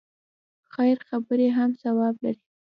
خیر خبرې هم ثواب لري.